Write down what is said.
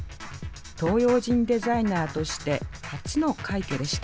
東洋人デザイナーとして初の快挙でした。